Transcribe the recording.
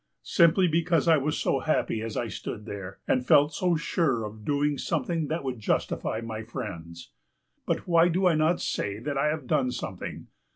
Simply because I was so happy as I stood there, and felt so sure of doing something that would justify my friends. But why do I not say that I have done something?